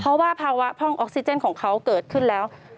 เพราะว่าภาวะพร่องออกซิเจนของเขาเกิดขึ้นแล้ว